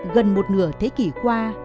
gần một nửa thế kỷ qua